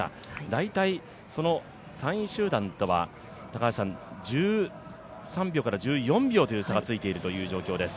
大体３位集団とは１３秒から１４秒という差がついている状態です。